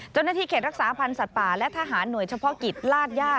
เจ้าหน้าที่เขตรักษาพันธ์สัตว์ป่าและทหารหน่วยเฉพาะกิจลาดย่า